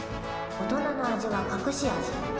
大人の味はかくし味。